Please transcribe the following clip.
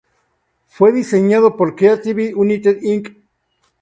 Fue diseñado por Creative United Inc.